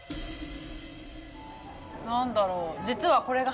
何だろう？